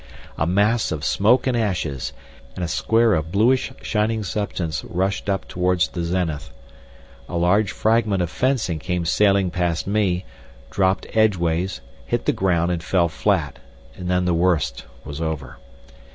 A mass of smoke and ashes, and a square of bluish shining substance rushed up towards the zenith. A large fragment of fencing came sailing past me, dropped edgeways, hit the ground and fell flat, and then the worst was over.